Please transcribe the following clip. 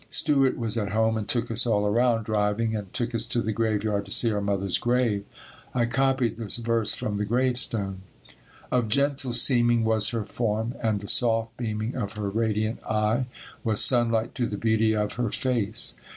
Stewart was at home and took us all around driving and took us to the graveyard to see our mother's grave. I copied this verse from the gravestone: "Of gentle seeming was her form And the soft beaming of her radiant eye Was sunlight to the beauty of her face.